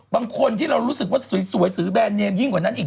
บางคนที่เรารู้สึกว่าสวยหรือแบรนดเนมยิ่งกว่านั้นอีก